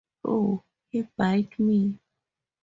Ow, he bit me!